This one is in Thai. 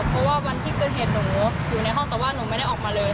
เพราะว่าวันที่เกิดเหตุหนูอยู่ในห้องแต่ว่าหนูไม่ได้ออกมาเลย